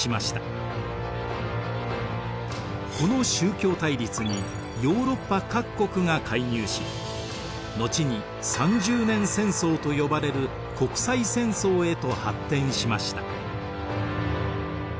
この宗教対立にヨーロッパ各国が介入し後に三十年戦争と呼ばれる国際戦争へと発展しました。